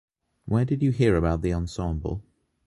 Where did you hear about the ensemble?